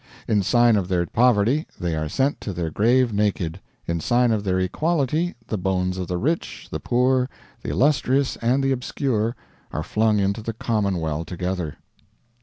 In sign of their poverty they are sent to their grave naked, in sign of their equality the bones of the rich, the poor, the illustrious and the obscure are flung into the common well together.